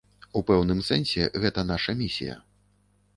У пэўным сэнсе гэта наша місія.